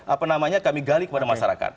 apa namanya kami gali kepada masyarakat